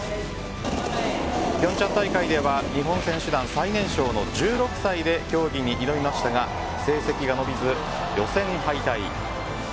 平昌大会では日本選手団最年少の１６歳で競技に挑みましたが成績が伸びず予選敗退。